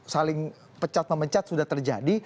saling pecat memecat sudah terjadi